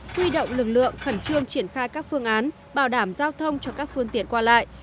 huy động lực lượng khẩn trương triển khai các phương án bảo đảm giao thông cho các phương tiện qua lại